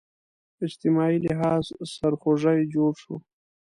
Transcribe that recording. اجتماعي لحاظ سرخوږی جوړ شو